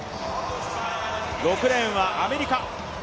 ６レーンはアメリカ。